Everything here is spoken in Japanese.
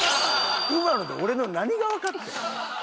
今ので俺の何がわかってん？